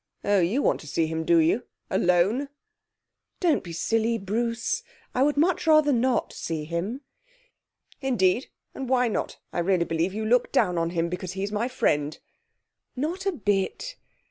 'Oh, you want to see him, do you? Alone?' 'Don't be silly, Bruce. I would much rather not see him.' 'Indeed, and why not? I really believe you look down on him because he's my friend.' 'Not a bit.